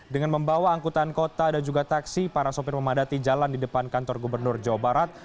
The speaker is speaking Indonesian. dengan membawa angkutan kota dan juga taksi para sopir memadati jalan di depan kantor gubernur jawa barat